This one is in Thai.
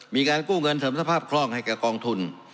มีการกู้เงินเสริมสภาพคล่องให้กับกองทุน